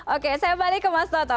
oke saya balik ke mas toto